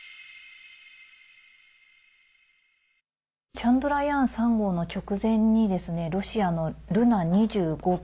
「チャンドラヤーン３号」の直前にロシアの「ルナ２５号」